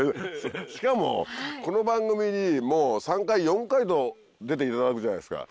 しかもこの番組にもう３回４回と出ていただくじゃないですか。